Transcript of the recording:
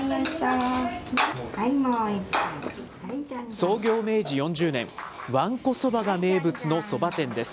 創業明治４０年、わんこそばが名物のそば店です。